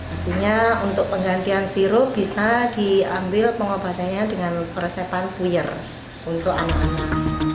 artinya untuk penggantian sirup bisa diambil pengobatannya dengan peresepan puyer untuk anak anak